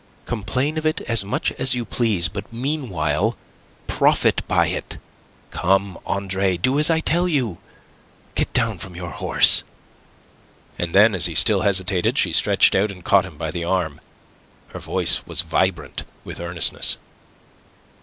"Complain of it as much as you please, but meanwhile profit by it. Come, Andre, do as I tell you. Get down from your horse." And then, as he still hesitated, she stretched out and caught him by the arm. Her voice was vibrant with earnestness.